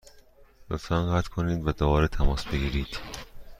لطفا قطع کنید و دوباره تماس بگیرید.